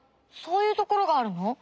そういうところがあるの？